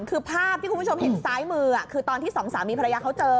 คือภาพที่คุณผู้ชมเห็นซ้ายมือคือตอนที่สองสามีภรรยาเขาเจอ